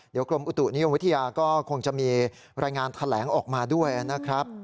เดี๋ยวกรมอุตุนิยมวิทยาก็คงจะมีรายงานแถลงออกมาด้วยนะครับ